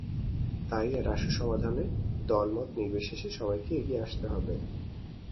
তাই এর আশু সমাধানে দলমতনির্বিশেষে সবাইকে এগিয়ে আসতে হবে।